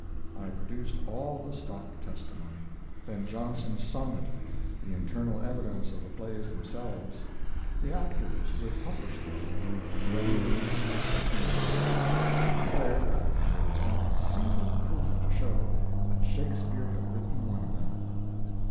I produced all the stock testimony Ben Jonson's sonnet, the internal evidence of the plays themselves, the actors who had published them but he refused to accept any of it. He declared that there was not a single proof to show that Shakespeare had written one of them.